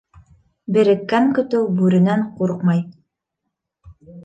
Береккән көтөү бүренән ҡурҡмай.